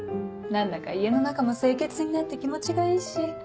何だか家の中も清潔になって気持ちがいいし。